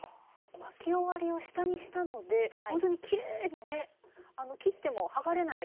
巻き終わりを下にしたのでほんとにきれいにね切っても剥がれない。